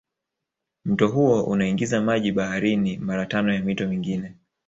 Mto huo unaingiza maji baharini mara tano ya mito mingine